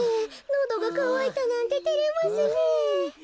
のどがかわいたなんててれますねえ。